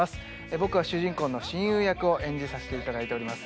僕は主人公の親友役を演じさせていただいております。